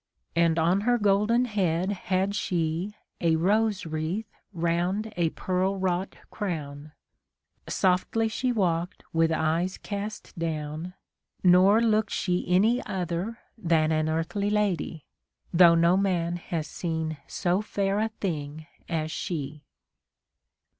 And on her golden head had she A rose wreath round a pearl wrought crown, Softly she walked with eyes cast down. Nor looked she any other than An earthly lady, though no man Has seen so fair a thing as she.